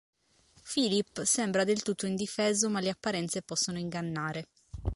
Philip sembra del tutto indifeso ma le apparenze possono ingannare.